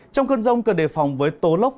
trong cơn rồng cần đề phòng với tố lốc